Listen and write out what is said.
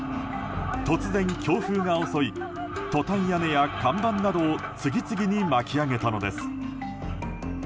突然、強風が襲いトタン屋根や看板などを次々に巻き上げたのです。